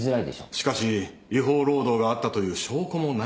しかし違法労働があったという証拠もない。